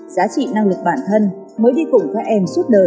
giá trị năng lực bản thân mới đi cùng các em suốt đời